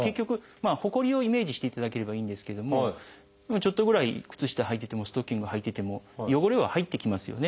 ほこりをイメージしていただければいいんですけれどもちょっとぐらい靴下はいててもストッキングはいてても汚れは入ってきますよね。